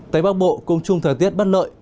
tây bắc bộ cũng chung thời tiết bất lợi